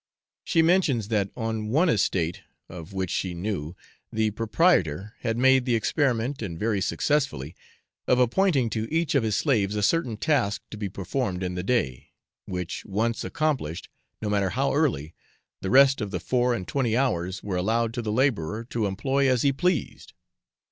She mentions that on one estate of which she knew, the proprietor had made the experiment, and very successfully, of appointing to each of his slaves a certain task to be performed in the day, which once accomplished, no matter how early, the rest of the four and twenty hours were allowed to the labourer to employ as he pleased.